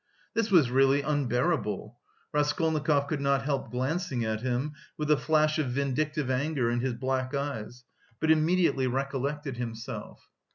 This was really unbearable. Raskolnikov could not help glancing at him with a flash of vindictive anger in his black eyes, but immediately recollected himself.